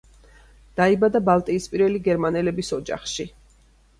დაიბადა ბალტიისპირელი გერმანელების ოჯახში.